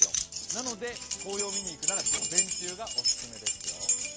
なので紅葉を見に行くなら午前中がオススメですよ。